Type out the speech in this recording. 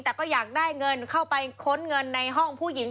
แต่ก็อยากได้เงินเข้าไปค้นเงินในห้องผู้หญิง